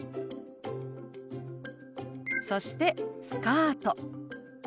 そして「スカート」。